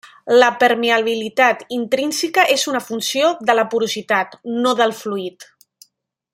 La permeabilitat intrínseca és una funció de la porositat, no del fluid.